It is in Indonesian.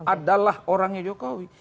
adalah orangnya jokowi